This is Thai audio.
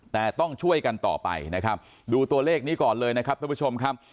แต่ต้องช่วยกันต่อไปนะครับดูตัวเลขนี้ก่อนเลยนะครับท่านผู้ชมครับ